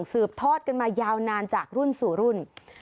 สืบทอดกันมายาวนานจากรุ่นสู่รุ่น